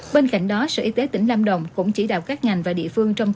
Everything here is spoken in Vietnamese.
bên cạnh đó sở y tế tỉnh lâm đồng cũng chỉ đạo các ngành và địa phương trong